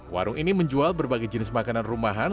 warung ini menjual berbagai jenis makanan rumahan